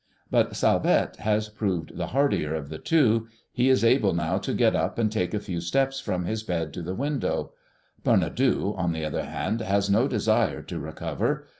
But Salvette has proved the hardier of the two; he is able now to get up and to take a few steps from his bed to the window. Bernadou, on the other hand, has no desire to recover.